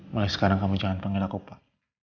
mulai sekarang kamu jangan panggil aku pak